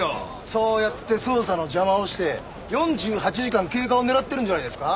そうやって捜査の邪魔をして４８時間経過を狙ってるんじゃないですか？